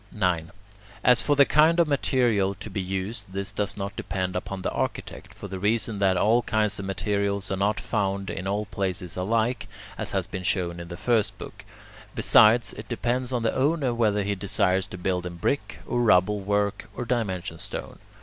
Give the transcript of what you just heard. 9. As for the kind of material to be used, this does not depend upon the architect, for the reason that all kinds of materials are not found in all places alike, as has been shown in the first book. Besides, it depends on the owner whether he desires to build in brick, or rubble work, or dimension stone.